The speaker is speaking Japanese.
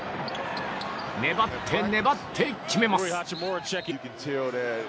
粘って、粘って、決めます。